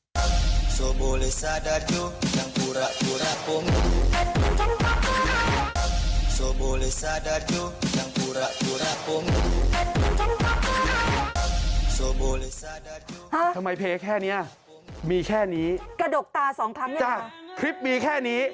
ทำไมเพลงแค่นี้มีแค่นี้กระดกตาสองครั้งเนี่ยจ้ะคลิปมีแค่นี้